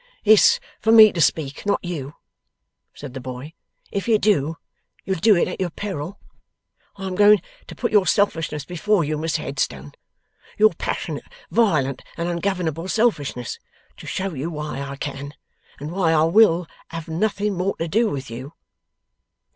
'It's for me to speak, not you,' said the boy. 'If you do, you'll do it at your peril. I am going to put your selfishness before you, Mr Headstone your passionate, violent, and ungovernable selfishness to show you why I can, and why I will, have nothing more to do with you.